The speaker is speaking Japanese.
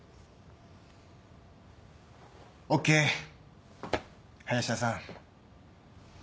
ＯＫ林田さん。